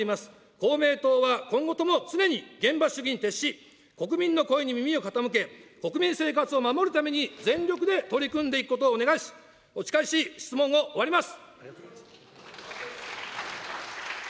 公明党は今後とも常に現場主義に徹し、国民の声に耳を傾け、国民生活を守るために全力で取り組んでいくことをお誓いし、質問を終わります。